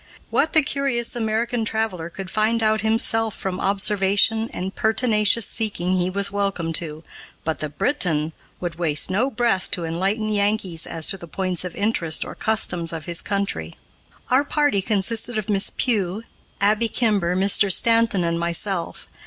What the curious American traveler could find out himself from observation and pertinacious seeking he was welcome to, but the Briton would waste no breath to enlighten Yankees as to the points of interest or customs of his country. Our party consisted of Miss Pugh, Abby Kimber, Mr. Stanton, and myself.